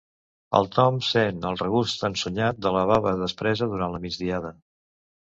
El Tom sent el regust ensonyat de la bava despresa durant la migdiada.